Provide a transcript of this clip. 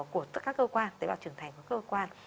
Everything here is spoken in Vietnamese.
của tất cả các cơ quan tế bào trưởng thành của các cơ quan